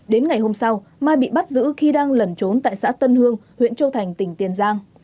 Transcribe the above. đến ngày hôm sau mai bị bắt giữ khi đang lẩn trốn tại xã tân hương huyện châu thành tỉnh tiền giang